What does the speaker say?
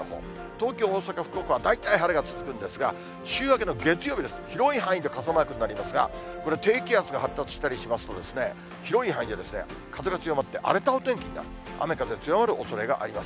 東京、大阪、福岡は大体晴れが続くんですが、週明けの月曜日です、広い範囲で傘マークになりますが、これ低気圧が発達したりしますと、広い範囲で風が強まって荒れたお天気が、雨風強まるおそれがあります。